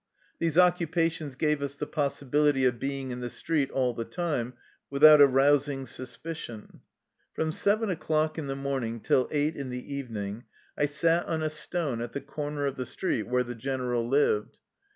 These occupations gave us the possibility of being in the street all the time without arousing suspicion. From seven o'clock in the morning till eight in the evening I sat on a stone at the corner of the street where the general lived.